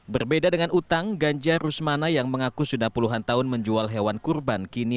berbeda dengan utang ganja rusmana yang mengaku sudah puluhan tahun menjual hewan kurban kini